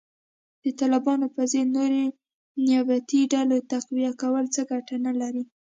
د طالبانو په ضد نورې نیابتي ډلو تقویه کول څه ګټه نه لري